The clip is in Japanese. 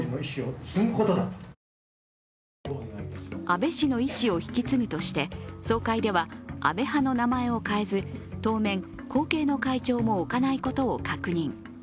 安倍氏の遺志を引き継ぐとして総会では、安倍派の名前を変えず当面、後継の会長も置かないことを確認。